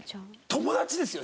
友達ですよ。